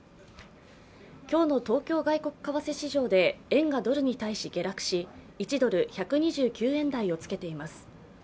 今日の東京外国為替市場で円がドルに対し下落し１ドル＝１２９円台をつけています。